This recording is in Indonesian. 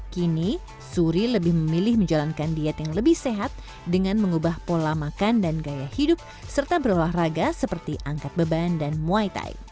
kini suri lebih memilih menjalankan diet yang lebih sehat dengan mengubah pola makan dan gaya hidup serta berolahraga seperti angkat beban dan muay thai